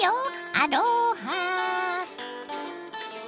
アロハ。